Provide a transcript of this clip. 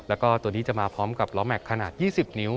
แล้วก็ตัวนี้จะมาพร้อมกับล้อแม็กซ์ขนาด๒๐นิ้ว